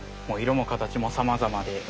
もういろも形もさまざまで。